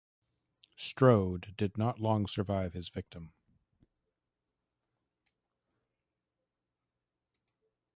Strode did not long survive his victim.